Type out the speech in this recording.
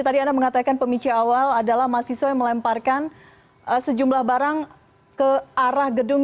tadi anda mengatakan pemicu awal adalah mahasiswa yang melemparkan sejumlah barang ke arah gedung